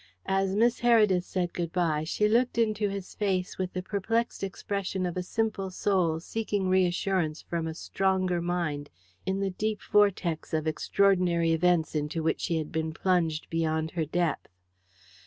As Miss Heredith said good bye, she looked into his face with the perplexed expression of a simple soul seeking reassurance from a stronger mind in the deep vortex of extraordinary events into which she had been plunged beyond her depth.